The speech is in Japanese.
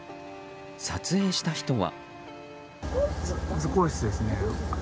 撮影した人は。